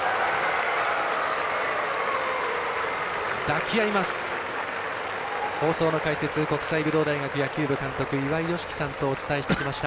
抱き合います。